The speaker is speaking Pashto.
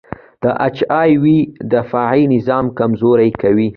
د اچ آی وي دفاعي نظام کمزوری کوي.